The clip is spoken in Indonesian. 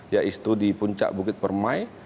yaitu di puncak bukit permai